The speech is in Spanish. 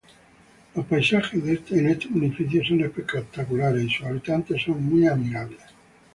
Los paisajes en este municipio son espectaculares y sus habitantes son muy amigables.